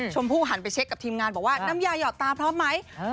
ชมพู่หันไปเช็คกับทีมงานบอกว่าน้ำยาหยอดตาพร้อมไหม